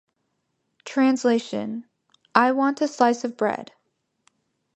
Translation: I want a slice of bread.